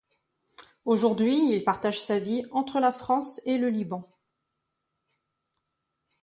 Aujourd'hui il partage sa vie entre la France et le Liban.